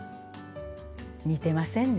似てませんね。